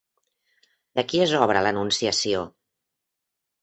De qui és obra l'Anunciació?